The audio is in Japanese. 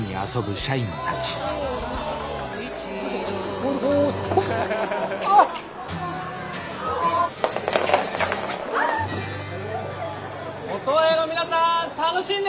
オトワヤの皆さん楽しんでますか？